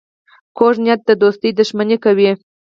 کوږ نیت د دوستۍ دښمني کوي